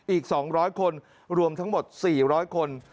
อีก๒๐๐คนรวมทั้งหมด๔๐๐คน